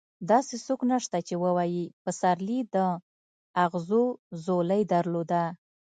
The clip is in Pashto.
داسې څوک نشته چې ووايي پسرلي د اغزو ځولۍ درلوده.